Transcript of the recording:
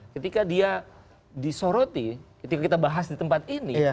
ketika dia disoroti ketika kita bahas di tempat ini